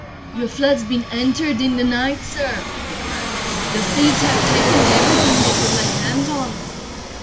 "Your flat's been entered in the night, sir," he cried. "The thieves have taken everything they could lay hands on."